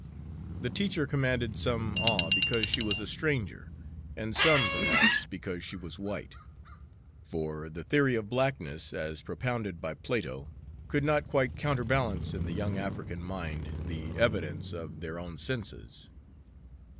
The teacher commanded some awe because she was a stranger, and some, perhaps, because she was white; for the theory of blackness as propounded by Plato could not quite counter balance in the young African mind the evidence of their own senses.